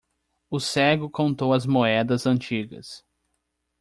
O cego contou as moedas antigas.